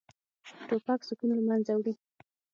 توپک سکون له منځه وړي.